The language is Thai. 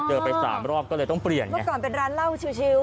ไปสามรอบก็เลยต้องเปลี่ยนเมื่อก่อนเป็นร้านเหล้าชิว